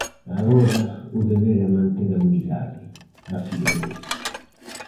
"Agora o deber é manter a unidade", afirmou.